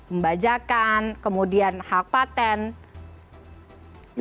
pebajakan kemudian hak patent